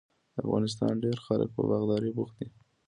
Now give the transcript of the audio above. د افغانستان ډیری خلک په باغدارۍ بوخت دي.